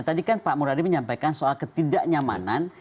tadi kan pak muradi menyampaikan soal ketidaknyamanan